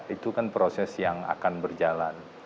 itu kan proses yang akan berjalan